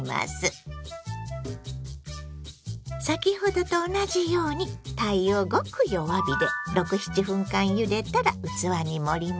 先ほどと同じようにたいをごく弱火で６７分間ゆでたら器に盛ります。